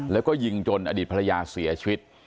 แล้วก็ยิงจนอดีตภรรยาเสียชีวิต